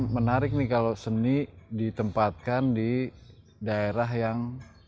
menarik nih kalau seni ditempatkan di daerah yang